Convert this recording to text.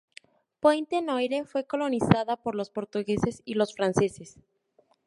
Pointe-Noire fue colonizada por los portugueses y los franceses.